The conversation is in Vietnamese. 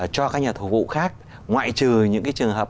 cho các nhà thầu phụ khác ngoại trừ những cái trường hợp